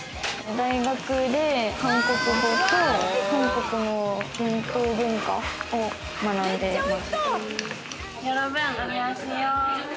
大学で韓国語と韓国の伝統文化を学んでます。